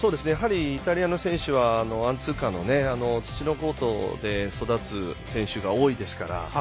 イタリアの選手はアンツーカーの土のコートで育つ選手が多いですから。